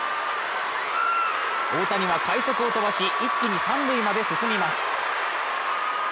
大谷は快足を飛ばし一気に三塁まで進みます。